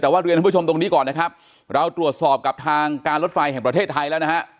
แต่ว่าเรียนท่านผู้ชมตรงนี้ก่อนนะครับเราตรวจสอบกับทางการรถไฟแห่งประเทศไทยแล้วนะฮะ